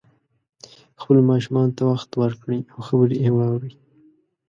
خپلو ماشومانو ته وخت ورکړئ او خبرې یې واورئ